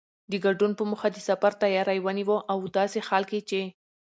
د ګډون په موخه د سفر تیاری ونیوه او داسې حال کې چې